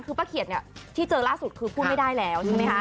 คือป้าเขียดที่เจอล่าสุดคือพูดไม่ได้แล้ว